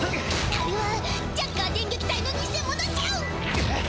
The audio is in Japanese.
あれはジャッカー電撃隊の偽者チュン！